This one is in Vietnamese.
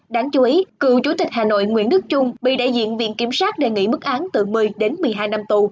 đáng chú ý cựu chủ tịch hà nội nguyễn đức trung bị đại diện viện kiểm sát đề nghị mức án từ một mươi đến một mươi hai năm tù